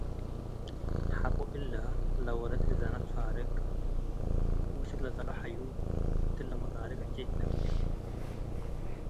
ሐቆ እለ፡ ለወለት እዘነ ትፋርቅ፡ ወአስክ ለጸልዑ ሐዩ፤ እትለ መጣርቅ ዕጨይ ትላውሽ ።